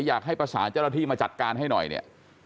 อยอยากให้ประสาทเจรถิมาจัดการให้หน่อย